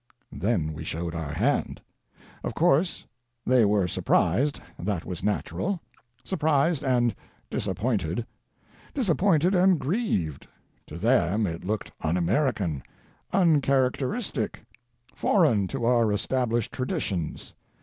Then we showed our hand. Of course, they were surprised — that was natural; surprised and disappointed; disappointed and grieved. To them it looked un American; uncharacteristic; foreign to our established traditions.